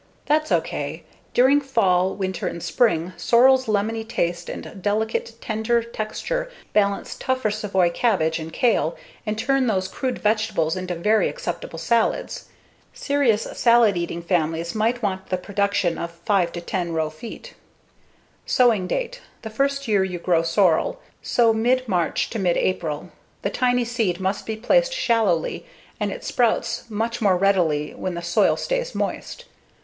That's ok. During fall, winter, and spring, sorrel's lemony taste and delicate, tender texture balance tougher savoy cabbage and kale and turn those crude vegetables into very acceptable salads. Serious salad eating families might want the production of 5 to 10 row feet. Sowing date: The first year you grow sorrel, sow mid March to mid April. The tiny seed must be placed shallowly, and it sprouts much more readily when the soil stays moist.